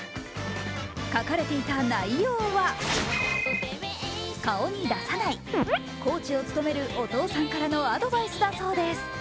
書かれていた内容は顔に出さない、コーチを務めるお父さんからのアドバイスだそうです。